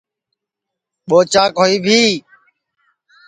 ٻو چاک ہوئی بھی